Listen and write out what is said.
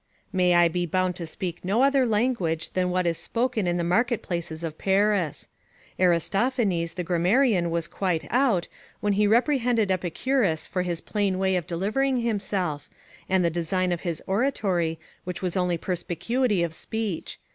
May I be bound to speak no other language than what is spoken in the market places of Paris! Aristophanes the grammarian was quite out, when he reprehended Epicurus for his plain way of delivering himself, and the design of his oratory, which was only perspicuity of speech.